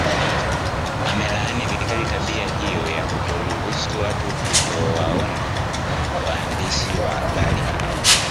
amelaani vikali tabia hiyo ya kutowaruhusu watu kutowaona waandishi wa habari hao